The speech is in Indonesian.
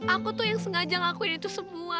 aku tuh yang sengaja ngelakuin itu semua